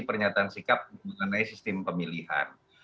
pernyataan sikap mengenai sistem pemilihan